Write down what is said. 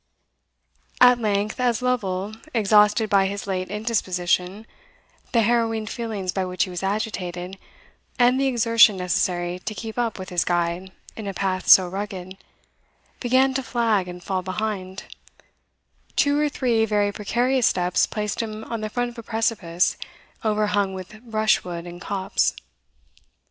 At length, as Lovel, exhausted by his late indisposition, the harrowing feelings by which he was agitated, and the exertion necessary to keep up with his guide in a path so rugged, began to flag and fall behind, two or three very precarious steps placed him on the front of a precipice overhung with brushwood and copse.